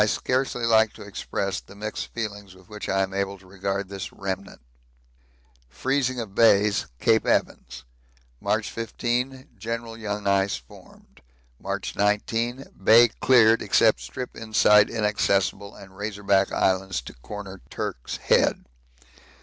I scarcely like to express the mixed feelings with which I am able to regard this remnant. Freezing of Bays. Cape Evans March 15. General young ice formed. March 19. Bay cleared except strip inside Inaccessible and Razor Back Islands to Corner Turk's Head.